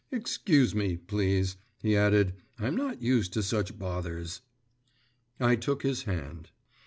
'Excuse me, please,' he added, 'I'm not used to such bothers.' I took his hand.